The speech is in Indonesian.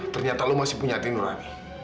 ternyata lo masih punya hati nurani